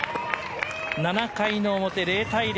７回の表、０対０。